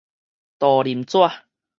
道林紙